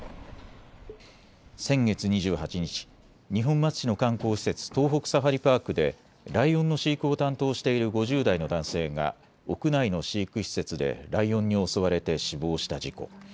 先月２８日、二本松市の観光施設、東北サファリパークでライオンの飼育を担当している５０代の男性が屋内の飼育施設でライオンに襲われて死亡した事故。